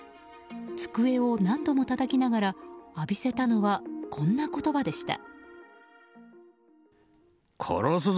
机を何度もたたきながら浴びせたのは、こんな言葉でした。